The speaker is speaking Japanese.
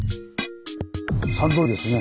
参道ですね。